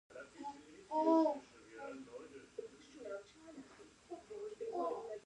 قوناق کوتل ولې بندیز لري؟